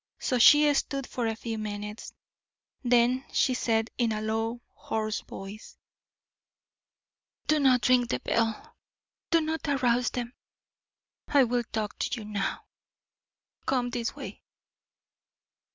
So she stood for a few minutes; then she said, in a low, hoarse voice: "Do not ring the bell; do not arouse them; I will talk to you now. Come this way."